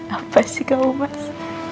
apa sih kamu pas